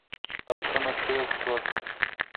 آسونه تېز شول.